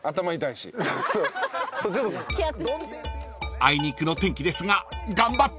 ［あいにくの天気ですが頑張って！］